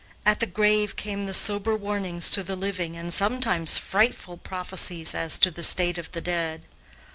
At the grave came the sober warnings to the living and sometimes frightful prophesies as to the state of the dead.